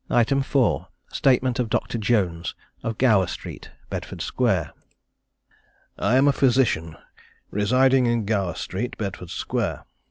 4. Statement of Dr. Jones, of Gower Street, Bedford Square. I am a physician, residing in Gower Street, Bedford Square.